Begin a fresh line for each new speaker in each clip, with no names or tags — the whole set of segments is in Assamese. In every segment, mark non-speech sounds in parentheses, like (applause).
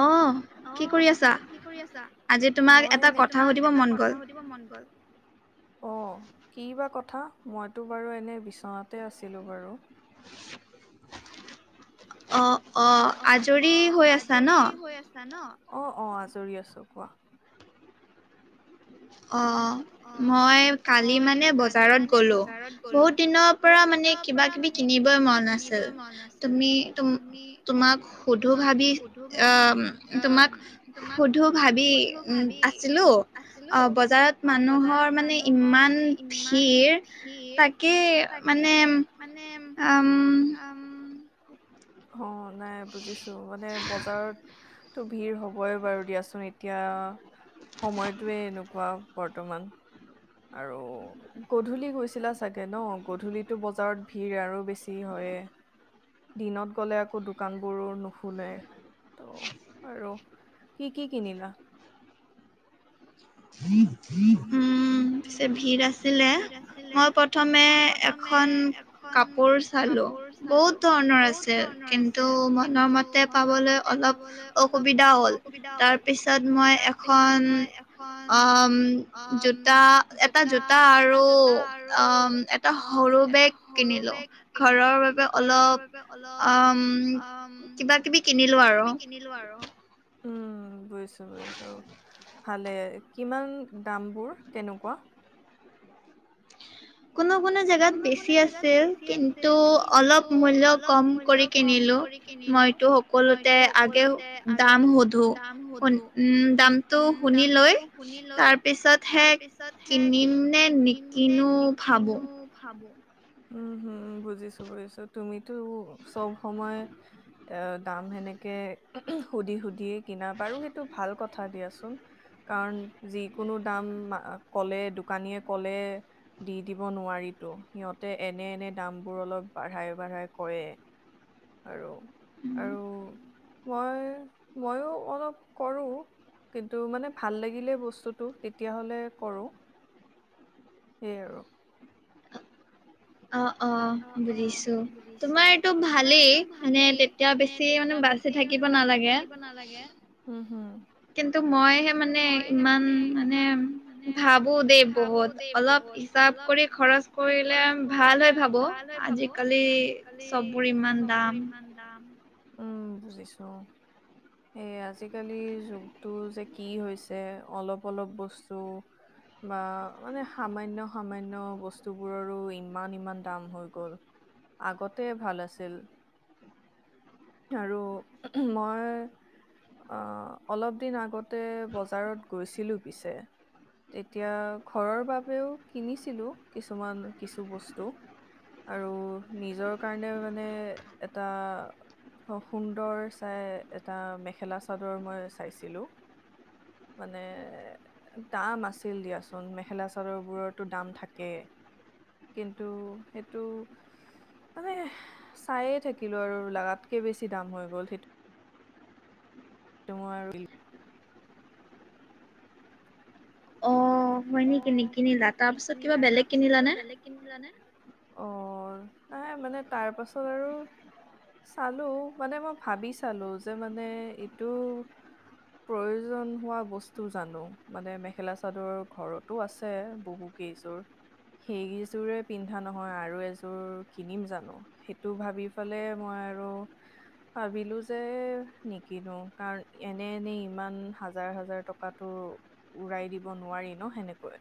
অ, কি কৰি আছা? আজি তোমাক এটা কথা সুধিব মন গ'ল?
অ কি বা কথা? মইতো বাৰু এনে বিচনাতে আছিলো বাৰু।
অঁ।
অ অ আজৰি হৈ আছা ন, অ অ আজৰি আছো কোৱা?
অ। মই কালি মানে বজাৰত গ'লো, বহুত দিনৰ পৰা মানে কিবা কিবি কিনিবই মন আছিল, তুমি তুম তোমাক সুধো ভাবি আহ তোমাক সুধো ভাবি উম আছিলো। অ বজাৰত মানুহৰ মানে ইমান ভিৰ তাকেই মানে
মানে
আম
অম অ নাই বুজিছো মানে বজাৰত ত ভিৰ হ'বই বাৰু দিয়াচোন এতিয়া সময়টোৱে এনেকুৱা বৰ্তমান। আৰু গধূলি গৈছিলা চাগে ন? গধূলিটো বজাৰত ভিৰ আৰু বেছি হয়। দিনত গ'লে আকৌ দোকানবোৰ নুখুলে। ত' আৰু কি কি কিনিলা?
(inaudible) উম পিছে ভিৰ আছিলে, মই প্ৰথমে এখন কাপোৰ চালো, বহুত ধৰণৰ আছে কিন্তু মনৰ মতে পাবলৈ অলপ অসুবিধা হ'ল তাৰপিছত মই এখন অম জোতা এটা জোতা আৰু অম এটা সৰু বেগ কিনিলো। ঘৰৰ বাবে অলপ অম কিবা কিবি কিনিলো আৰু।
নিলো আৰু, উম বুজিছো বুজিছো ভালে কিমান দামবোৰ কেনেকুৱা? কোনো কোনো জাগাত বেছি আছিল কিন্তু অলপ মূল্য কম কৰি কিনিলো, মইতো সকলোতে আগে দাম সুধো (unintelligible) উম, দামটো শুনি লৈ তাৰ পিছত হে কিনিম নে নি কিনো ভাৱোঁ। উম্ হম্, বুজিছো বুজিছো, তুমিতো চব সময় এ দাম সেনেকে সুধি সুধিয়ে কিনা বাৰু। সেইটো ভাল কথা দিয়াচোন। কাৰণ যিকোনো দাম ক'লে, দোকানীয়ে ক'লে। দি দিব নোৱাৰিতোঁ। সিহঁতে এনে এনে দাম বোৰ অলপ বঢ়াই বঢ়াই কয়ে। আৰু, আৰু মই ময়ো অলপ কৰোঁ। কিন্তু মানে ভাল লাগিলে বস্তুটো, তেতিয়াহ'লে কৰোঁ। সেয়াই আৰু। অ', অ', বুজিছোঁ। তোমাৰ এইটো ভালেই মানে তেতিয়া বেছি সি মানে বাচি থাকিব নালাগে, উম্ উম্। কিন্তু মইহে মানে, ইমান মানে ভাবোঁ দেই বহুত। অলপ হিচাপ কৰি খৰচ কৰিলে ভাল হয় ভাবোঁ, আজিকালি চববোৰ ইমান উম্, বুজিছোঁ। এ আজিকালি যুগটো যে কি হৈছে, অলপ অলপ বস্তু বা, মানে সামান্য সামান্য বস্তুবোৰৰো ইমান ইমান দাম হৈ গ'ল। আগতে ভাল আছিল আৰু মই অ', অলপ দিন আগতে বজাৰত গৈছিলোঁ পিছে। তেতিয়া ঘৰৰ বাবেও কিনিছিলোঁ, কিছুমান কিছু বস্তু। আৰু নিজৰ কাৰণেও মানে এটা সুন্দৰ চাই এটা, মেখেলা চাদৰ মই চাইছিলোঁ। মানে দাম আছিল দিয়াচোন, মেখেলা চাদৰ বোৰৰ টো দাম থাকেই। কিন্তু, সেইটো আমি চায়ে থাকিলোঁ আৰু লগাতকে বেছি দাম হৈ গ'ল সেইটো। টো মই আৰু অ', হইনী কিনি কিনিলা, তাৰপিছত কিবা বেলেগ কিনিলানে! অ', নাই মানে তাৰ পাছত আৰু চালোঁ, মানে মই ভাবি চালোঁ যে মানে এইটো প্ৰয়োজন হোৱা বস্তু জানোঁ, মানে মেখেলা-চাদৰ ঘৰতো আছে, বহু কেইযোৰ। সেইকেইযোৰে পিন্ধা নহয় আৰু এযোৰ কিনিম জানোঁ। সেইটো ভাবি হ'লে মই আৰু ভাবিলোঁ যে নিকিনো। কাৰণ এনে এনে ইমান হাজাৰ হাজাৰ টকা টকাটো উৰাই দিব নোৱাৰি ন, সেনেকৈ।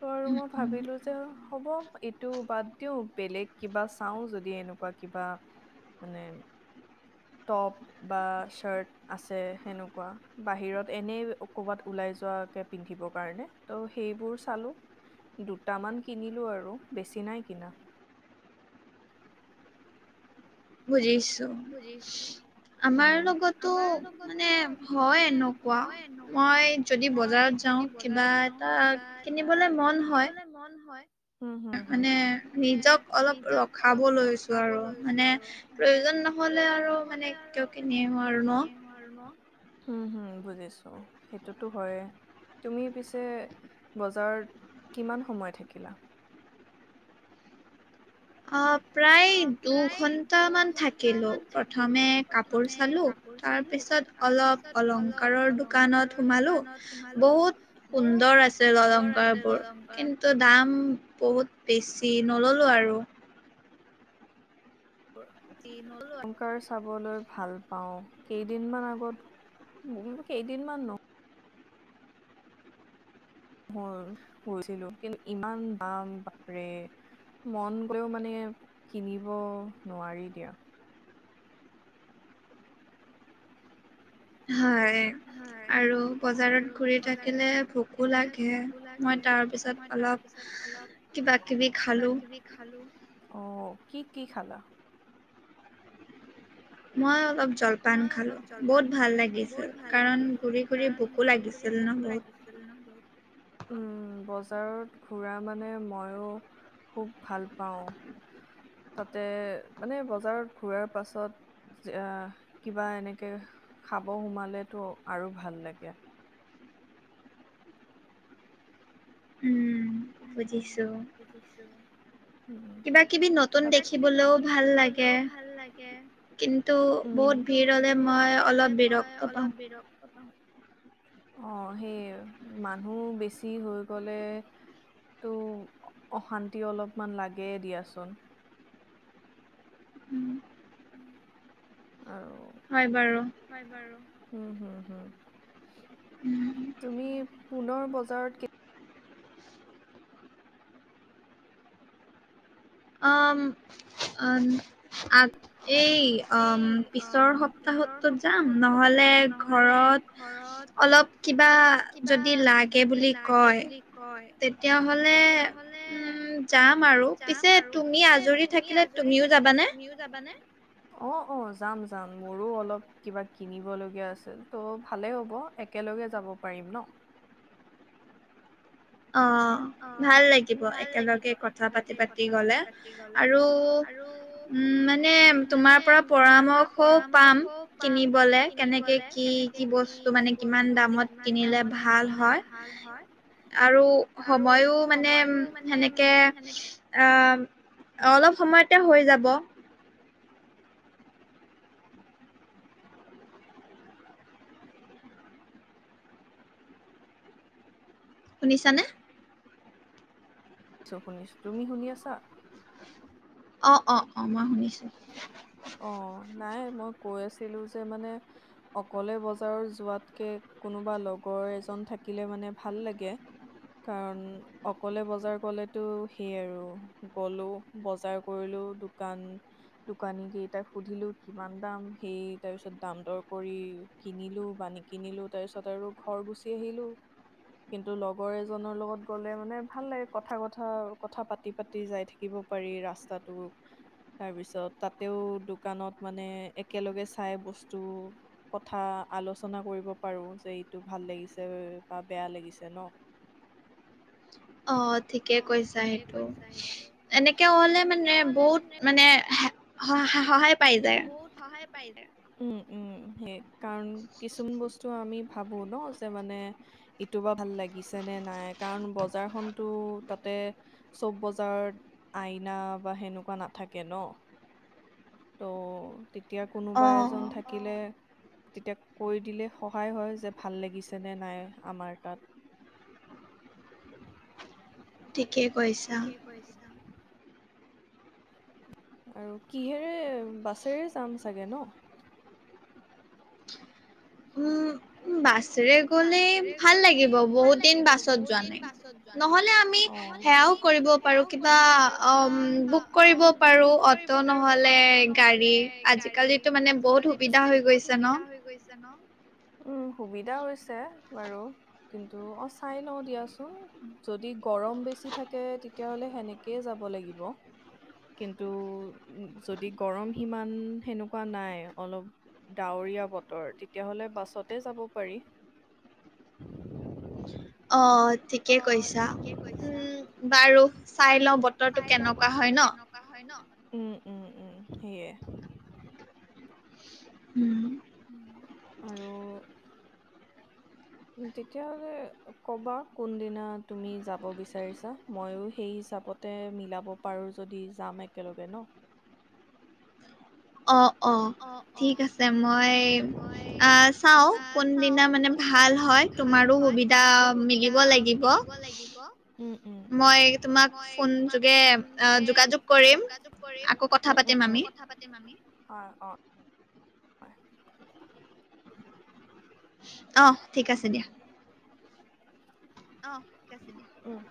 ত' আৰু মই ভাবিলোঁ যে হ'ব, এইটো বাদ দিওঁ বেলেগ কিবা চাওঁ, যদি এনেকুৱা কিবা মানে টপ বা চাৰ্ট আছে সেনেকুৱা, বাহিৰত এনেই কৰবাত ওলাই যোৱাকে পিন্ধিব। কাৰণে। ত' সেইবোৰ চালোঁ, দুটামান কিনিলোঁ আৰু বেছি নাই কিনা। বুজিছোঁ, আমাৰ লগতো মানে হয় এনেকুৱা, মই যদি বজাৰত যাওঁ কিবা এটা কিনিবলে মন হয়। উম্, উম্, উম্, মানে নিজক অলপ ৰখাব লৈছোঁ আৰু মানে প্ৰয়োজন নহ'লে আৰু মানে কিয় কিনিম বাৰু আৰু ন! উম্, উম্, বুজিছোঁ। সেইটোতো হইয়ে। তুমি পিছে বজাৰত কিমান সময় থাকিলা?
প্ৰায় দুঘণ্টামান থাকিলোঁ প্ৰথমে কাপোৰ চালোঁ। তাৰপিছত অলপ অলংকাৰৰ দোকানত সোমালো বহুত। সুন্দৰ আছে অলংকাৰ বোৰ কিন্তু। তো দাম বহুত বেছি নল'লো আৰু।
অংকাৰ চাবলৈ ভাল পাওঁ কেইদিনমান আগত মোৰ কেইদিনমান ন। হ'ল গৈছিলো কিন্তু ইমান দাম বাপৰে। মন গৈয়ো মানেও কিনিব নোৱাৰি দিয়া।
হয়। আৰু বজাৰত ঘূৰি থাকিলে ভোকো লাগে মই তাৰ পিছত অলপ। কিবা কিবি খালো।
খালো অ কি কি খালা।
মই অলপ জলপান খালো বহুত ভাল লাগিছিল কাৰণ ঘুৰি ঘুৰি ভোকো লাগিছিল। আছিল ন বহুত।
আছিল ন বহুত। উম বজাৰত ঘূৰা মানে ময়ো খুব ভাল পাওঁ। তাতে মানে বজাৰত ঘূৰাৰ পাছত। যে কিবা এনেকে খাব সোমালেতো আৰু ভাল লাগে।
উম। বুজিছোঁ। কিবা কিবি নতুন দেখিবলৈও ভাল লাগে। কিন্তু বহুত ভিৰ হ'লে মই অলপ বিৰক্ত পাওঁ।
ত পাওঁ। অ সেইয়ে আৰু মানুহ বেছি হৈ গ'লে। তো অশান্তি অলপমান লাগেই দিয়াচোন।
উম।
উম আৰু।
হয় বাৰু।
হয় বাৰু হুম হুম হুম।
উম।
তুমি পুনৰ বজাৰত কে।
উম আ এই। উম পিছৰ সপ্তাহত যাম নহ'লে ঘৰত। অলপ কিবা যদি লাগে বুলি কয় তেতিয়াহ'লে। উম যাম আৰু পিছে তুমি আজৰি থাকিলে তুমিও যাবানে।
তুমিও যাবানে? অ অ যাম যাম মোৰো অলপ কিবা কিনিব লগীয়া আছিল ত' ভালে হ'ব। একেলগে যাব পাৰিম ন।
অ। ভাল লাগিব একেলগে কথা পাতি পাতি গ'লে আৰু উম মানে তোমাৰ পৰা পৰামৰ্শও পাম কিনিবলে কেনেকে কি। কি বস্তু মানে কিমান দামত কিনিলে ভাল হয় আৰু সময়ো মানে উম সেনেকে। অ অলপ সময়তে হৈ যাব। শুনিছানে।
ছো শুনিছো তুমি শুনি আছা।
অঁ অ অ মই শুনিছোঁ।
অ নাই মই কৈ আছিলোঁ যে মানে। অকলে বজাৰত যোৱাতকে কোনোবা লগৰ এজন থাকিলে মানে ভাল লাগে। কাৰণ অকলে বজাৰ গলেতো সেই আৰু গ'লো বজাৰ কৰিলোঁ। দোকান। দোকানী কেইটাক সুধিলোঁ কিমান দাম সেই তাৰ পিছত দাম দৰ কৰি। কিনিলোঁ বা নিকিনিলোঁ তাৰ পিছত আৰু ঘৰ গুচি আহিলোঁ। কিন্তু লগৰ এজনৰ লগত গ'লে মানে ভাল লাগে কথা কথা কথা পাতি পাতি যাই থাকে। থাকিব পাৰি ৰাস্তাটো তাৰ পিছত। তাতেও দোকানত মানে একেলগে চাই বস্তু। কথা আলোচনা কৰিব পাৰোঁ যে এইটো ভাল লাগিছে বা বেয়া লাগিছে ন।
অ। ঠিকে কৈছা সেইটো এনেকে হ'লে মানে বহুত মানে। হয় স সহায়।
এ বহুত সহায় পাইলে। উম উম সেই কাৰণ কিছুমান বস্তু আমি ভাবোঁ ন যে মানে। ইটো বা ভাল লাগিছে নে নাই কাৰণ বজাৰখনতো তাতে। চব বজাৰত আইনা বা সেনেকুৱা নাথাকে ন। ত' তেতিয়া কোনোবা এজন থাকে। থাকিলে তেতিয়া কৈ দিলে সহায় হয় যে ভাল লাগিছেনে নাই আমাৰ তাত।
ঠিকেই কৈছা।
পইচা। আৰু কিহেৰে বাছেৰে যাম চাগে ন?
বাছেৰে গ'লে ভাল লাগিব বহুত দিন বাছত যোৱা নাই। নহ'লে আমি সেয়াও কৰিব পাৰো কিবা অ বুক কৰিব পাৰোঁ। অটো নহ'লে গাড়ী আজিকালিতো মানে বহুত সুবিধা হৈ গৈছে ন।
উম সুবিধা হৈছে বাৰু। কিন্তু অ চাই লওঁ দিয়াচোন, যদি গৰম বেছি থাকে। তেতিয়াহ'লে সেনেকেই যাব লাগিব। কিন্তু উ যদি গৰম সিমান সেনেকুৱা নাই অলপ। ডাৱৰীয়া বতৰ তেতিয়া হ'লে বাছতে যাব পাৰি।
অ। ঠিকে কৈছা উম বাৰু চাই লওঁ বতৰটো কেনেকুৱা হয় ন।
কিবা হয় ন। উম উম উম সেইয়ে।
উম।
উম। তেতিয়াহ'লে ক'বা কোনদিনা তুমি যাব বিচাৰিছা মইো সেই হিচাপত। ত মিলাব পাৰো যদি যাম একেলগে ন।
অ অ ঠিক আছে, মই অ চাওঁ কোনদিনা মানে। ভাল হয় তোমাৰো সুবিধা মিলিব লাগিব। মই তোমাক ফোন যোগে আ যোগাযোগ কৰিম আকৌ কথা পাতিম আমি।
কথা পাতিম আমি। হয় অ। হয়।
অহ ঠিক আছে দিয়া।
অ ঠিক আছে দিয়া। উম।